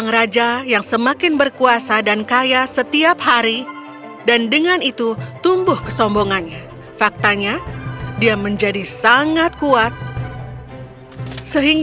raja dan sungai kecil